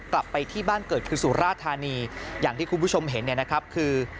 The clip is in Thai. กลับไปที่บ้านเกิดคือสุราธานีอย่างที่คุณผู้ชมเห็นเนี่ยนะครับคือ